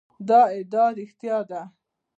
دا ادعا رښتیا ده.